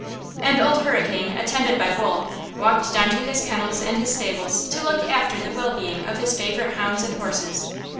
And Old Hurricane, attended by Wool, walked down to his kennels and his stables to look after the well being of his favorite hounds and horses.